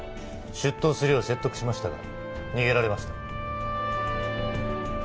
出頭するよう説得しましたが逃げられました。